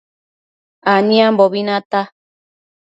Aniambobi nata